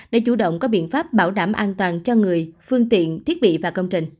để chủ động có biện pháp bảo đảm an toàn cho người phương tiện thiết bị và công trình